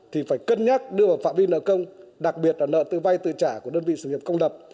thì phải cân nhắc đưa vào phạm vi nợ công đặc biệt là nợ tư vay tự trả của đơn vị sự nghiệp công lập